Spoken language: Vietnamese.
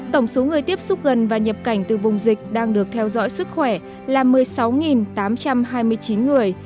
tổng số người tiếp xúc gần và nhập cảnh từ vùng dịch đang được theo dõi sức khỏe là một mươi sáu tám trăm hai mươi chín người